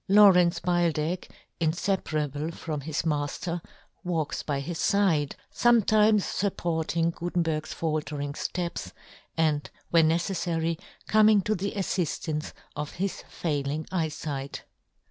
Lawrence Beildech, infe parable from his mafter, walks by his fide, fometimes fupporting Gu tenberg's faltering fteps, and when neceffary coming to the affiftance of his failing eyefight.